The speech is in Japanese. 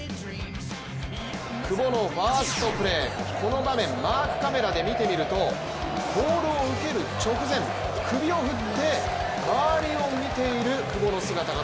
久保のファーストプレー、この場面、マークカメラで見てみるとボールを受ける直前首を振って、周りを見ている久保の姿が。